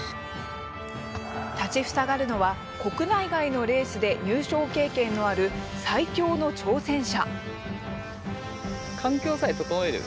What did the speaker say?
立ちふさがるのは国内外のレースで入賞経験のある最強の挑戦者。